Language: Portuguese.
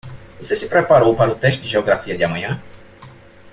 Você se preparou para o teste de Geografia de amanhã?